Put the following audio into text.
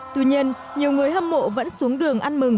tuy nhiên nhiều người hâm mộ vẫn xuống đường ăn mừng